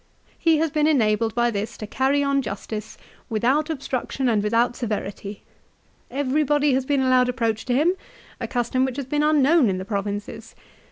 " He has been enabled by this to carry on justice without obstruction and without severity. Every body has been allowed approach to him, a custom which has been unknown in the provinces.